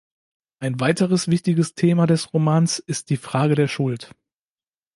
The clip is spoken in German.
Ein weiteres wichtiges Thema des Romans ist „die Frage der Schuld“.